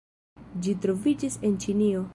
Ĝi troviĝis en Ĉinio.